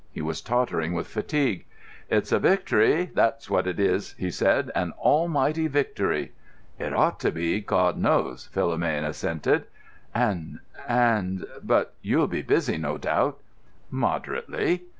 He was tottering with fatigue. "It's a victory, that's what it is," he said; "an almighty victory." "It ought to be, God knows," Philomène assented. "And—and——But you'll be busy, no doubt?" "Moderately."